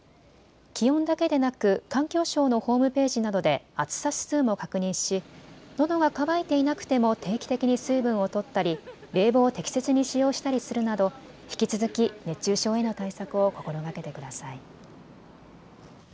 気温だけでなく環境省のホームページなどで暑さ指数も確認しのどが渇いていなくても定期的に水分をとったり冷房を適切に使用したりするなど引き続き熱中症への対策を心がけてください。